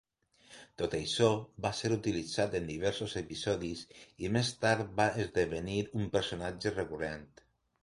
Tot i això, va ser utilitzat en diversos episodis i més tard va esdevenir un personatge recurrent.